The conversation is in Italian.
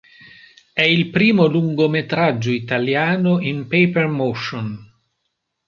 È il primo lungometraggio italiano in Paper Motion.